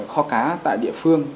kho cá tại địa phương